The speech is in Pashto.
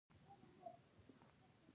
موزیک له وختونو سره سفر کوي.